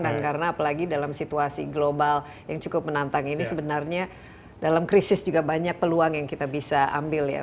karena apalagi dalam situasi global yang cukup menantang ini sebenarnya dalam krisis juga banyak peluang yang kita bisa ambil ya